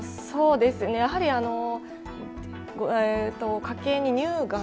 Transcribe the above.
やはり、家系に乳がん